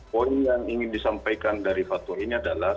poin yang ingin disampaikan dari fatwa ini adalah